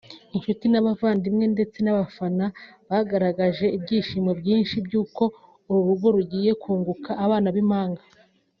Inshuti n’abavandimwe ndetse n’abafana bagaragaje ibyishimo byinshi by’uko uru rugo rugiye kunguka abana b’impanga